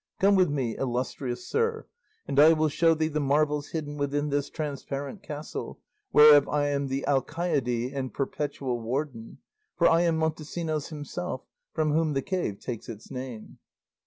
Come with me, illustrious sir, and I will show thee the marvels hidden within this transparent castle, whereof I am the alcaide and perpetual warden; for I am Montesinos himself, from whom the cave takes its name.